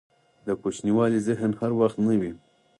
دکوچنیوالي ذهن هر وخت نه وي.